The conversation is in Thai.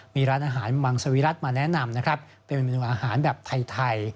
มีร้านอาหารมังสวิรัติมาแนะนำนะครับเป็นเมนูอาหารแบบไทย